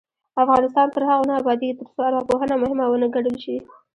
افغانستان تر هغو نه ابادیږي، ترڅو ارواپوهنه مهمه ونه ګڼل شي.